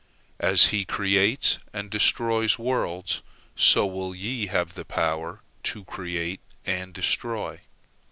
As He creates and destroys worlds, so will ye have the power to create and destroy.